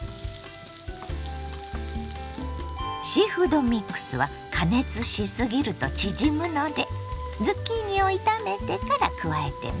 シーフードミックスは加熱しすぎると縮むのでズッキーニを炒めてから加えてね。